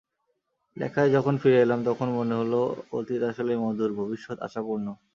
লেখায় যখন ফিরে এলাম, তখন মনে হলো অতীত আসলেই মধুর, ভবিষ্যৎ আশাপূর্ণ।